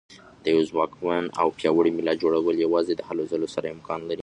د یوه ځواکمن او پیاوړي ملت جوړول یوازې د هلو ځلو سره امکان لري.